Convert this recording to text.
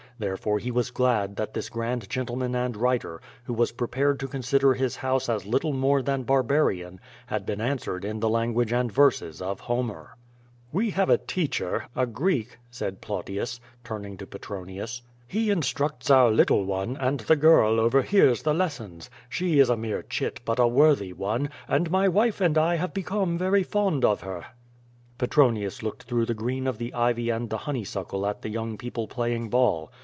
Therefore he was glad that this grand gentleman and writer, who was prepared to consider his house as little more than barbarian, had been answered in the language and verses of Homer. "We have a teacher — ^a Greek," said Plautius, turning to Petronius. "He instructs our little one, and the girl over hears the lessons. She is a mere chit, but a worthy one, and my wife and I have become very fond of her." Petronius looked through the green of the ivy and the honeysuckle at the young people playing ball.